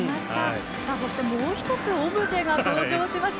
そしてもう１つオブジェが登場しました。